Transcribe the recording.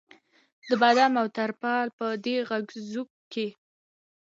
د باد او ترپال په دې غږ ځوږ کې.